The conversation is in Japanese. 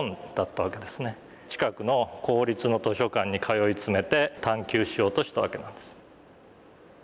近くの公立の図書館に通い詰めて探求しようとしたわけなんです。